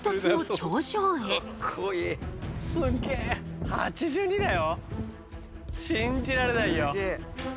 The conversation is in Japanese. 信じられないよ。